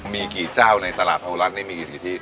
มีกี่จ้าวในตลาดพรภูรัฐนี่มีกี่สิทธิ